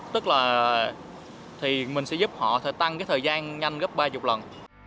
tức là mình sẽ giúp họ tăng thời gian nhanh gấp ba mươi lần